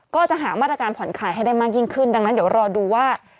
ก็จะหามาตรการผ่อนคลายให้ได้มากยิ่งขึ้นดังนั้นเดี๋ยวรอดูว่า